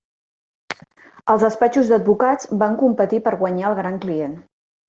Els despatxos d'advocats van competir per guanyar el gran client.